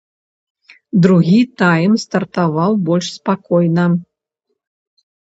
Другі тайм стартаваў больш спакойна.